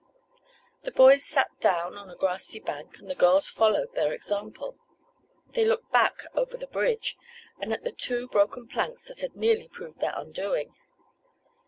The boys sat down on a grassy bank, and the girls followed their example. They looked back over the bridge, and at the two broken planks that had nearly proved their undoing.